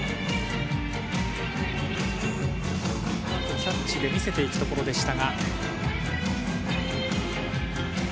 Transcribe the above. キャッチで見せていくところでした。